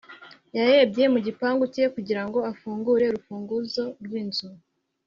yarebye mu gikapu cye kugira ngo afungure urufunguzo rw'inzu